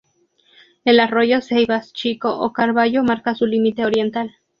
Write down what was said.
El arroyo Ceibas Chico o Carballo marca su límite oriental.